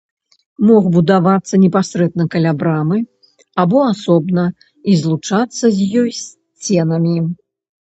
Мог будавацца непасрэдна каля брамы, або асобна і злучацца з ёй сценамі.